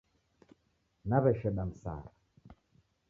Naw'esheda msara